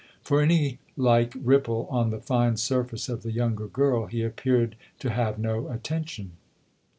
For any like ripple on the fine surface of the younger girl he appeared to have no attention.